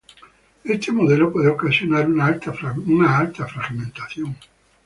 Este modelo puede ocasionar una alta fragmentación.